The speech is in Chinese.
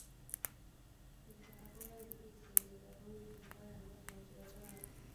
复杂多样的地形给交通运输的发展造成了巨大阻碍。